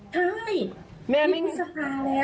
ใช่นี่ปุศภาพแล้ว